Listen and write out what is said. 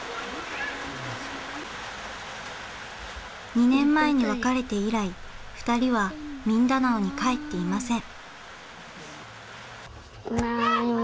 ２年前に別れて以来２人はミンダナオに帰っていません。